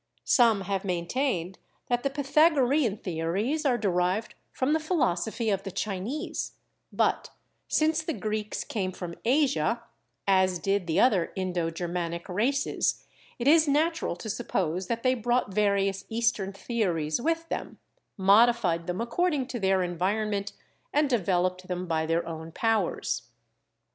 Some have maintained that the Pythagorean theories are derived from the phi losophy of the Chinese; but, since the Greeks came from Asia as did the other Indo Germanic races, it is natural to ANCIENT CHEMICAL KNOWLEDGE n suppose that they brought various Eastern theories with them, modified them according to their environment and developed them by their own powers.